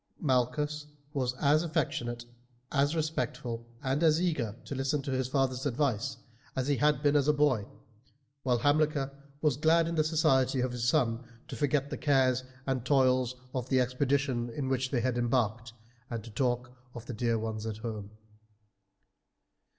Malchus was as affectionate, as respectful, and as eager to listen to his father's advice, as he had been as a boy, while Hamilcar was glad in the society of his son to forget the cares and toils of the expedition in which they had embarked and to talk of the dear ones at home.